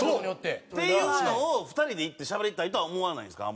そう！っていうのを２人で行ってしゃべりたいとは思わないんですか？